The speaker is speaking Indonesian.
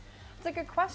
itu pertanyaan yang bagus